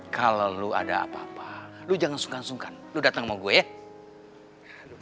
kalau lo ada apa apa lo jangan sungkan sungkan lu datang sama gue ya